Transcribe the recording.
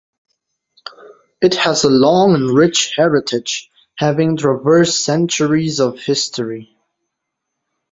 It has a long and rich heritage, having traversed centuries of history.